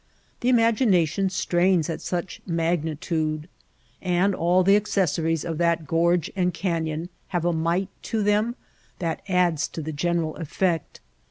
The imagination strains at such magnitude. And all the accessories of the gorge and canyon have a might to them that adds to the general effect.